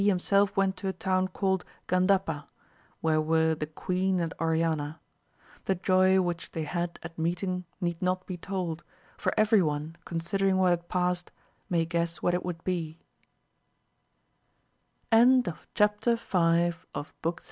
himself went to a town called Gandapa, where were the queen and Oriana. The joy which they had at meeting need not be told, for every one, considering what had past, may guess what it wo